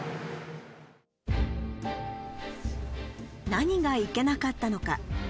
何がいけなかったのか。